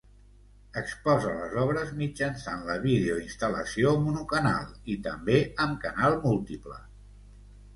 Exposa les obres mitjançant la videoinstal·lació monocanal i també amb canal múltiple.